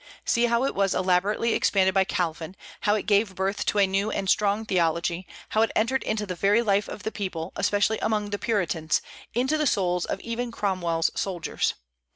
See how it was elaborately expanded by Calvin, how it gave birth to a new and strong theology, how it entered into the very life of the people, especially among the Puritans, into the souls of even Cromwell's soldiers.